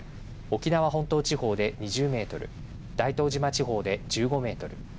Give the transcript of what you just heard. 沖縄本島地方で２０メートル大東島地方で１５メートル